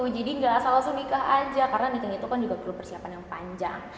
jadi gak asal langsung nikah aja karena nikah itu kan juga perlu persiapan yang panjang